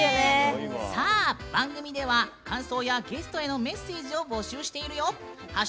さあ番組では感想やゲストへのメッセージを募集しているよ。